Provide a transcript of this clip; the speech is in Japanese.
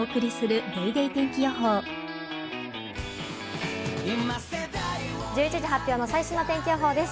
「メリット」１１時発表の最新の天気予報です！